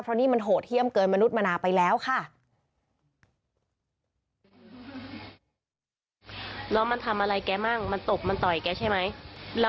เพราะนี่มันโหดเยี่ยมเกินมนุษย์มนาไปแล้วค่ะ